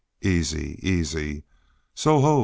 "Easy, easy soho!"